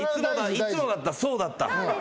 いつもだったらそうだった。